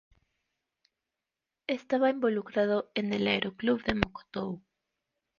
Estaba involucrado en el aeroclub de Mokotów.